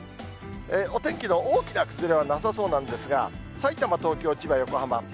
お天気の大きな崩れはなさそうなんですが、さいたま、東京、千葉、横浜。